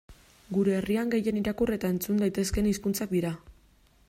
Gure herrian gehien irakur eta entzun daitezkeen hizkuntzak dira.